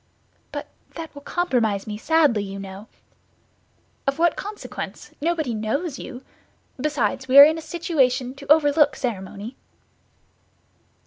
"But that will compromise me sadly, you know." "Of what consequence? Nobody knows you. Besides, we are in a situation to overlook ceremony."